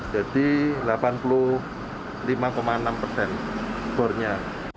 jadi delapan puluh lima enam persen bornya